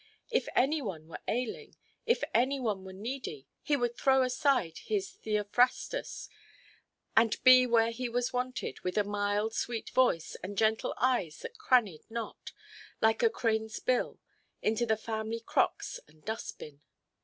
If any one were ailing, if any one were needy, he would throw aside his Theophrastus, and be where he was wanted, with a mild sweet voice and gentle eyes that crannied not, like a craneʼs bill, into the family crocks and dustbin.